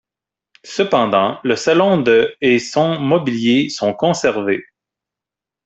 Cependant le salon de et son mobilier sont conservés.